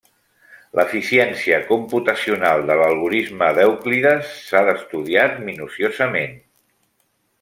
L'eficiència computacional de l'algorisme d'Euclides s'ha estudiat minuciosament.